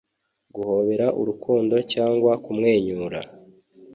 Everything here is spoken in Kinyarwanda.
guhobera urukundo cyangwa kumwenyura